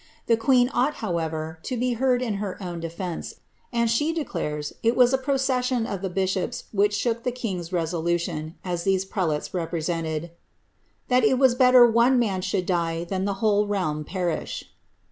The queen ought, however, to be heard in her own defence, and she declares' it was a procession of the bishops which shook the kiof^ resolution, as these prelates represented ^ that it was better one man should die than the whole realm perish."